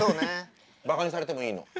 ばかにされてもいいの。